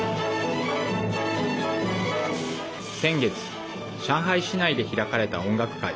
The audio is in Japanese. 先月、上海市内で開かれた音楽会。